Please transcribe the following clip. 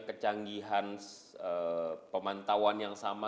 kecanggihan pemantauan yang sama